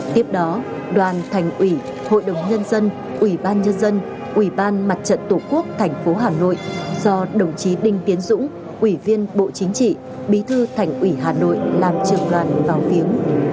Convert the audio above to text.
tiếp đó đoàn thành ủy hội đồng nhân dân ủy ban nhân dân ủy ban mặt trận tổ quốc tp hà nội do đồng chí đinh tiến dũng ủy viên bộ chính trị bí thư thành ủy hà nội làm trường đoàn vào viếng